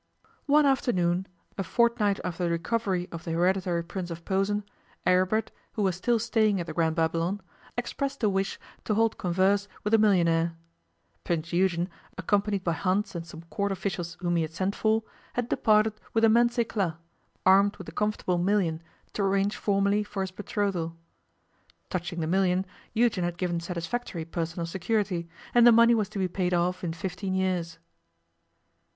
One afternoon, a fortnight after the recovery of the Hereditary Prince of Posen, Aribert, who was still staying at the Grand Babylon, expressed a wish to hold converse with the millionaire. Prince Eugen, accompanied by Hans and some Court officials whom he had sent for, had departed with immense éclat, armed with the comfortable million, to arrange formally for his betrothal. Touching the million, Eugen had given satisfactory personal security, and the money was to be paid off in fifteen years.